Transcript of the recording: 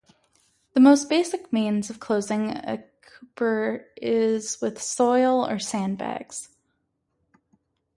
The most basic means of closing a coupure is with soil or sandbags.